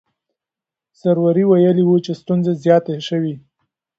سروري ویلي وو چې ستونزې زیاتې شوې.